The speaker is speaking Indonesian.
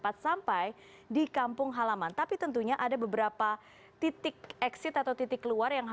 atau di gandulan di pemalang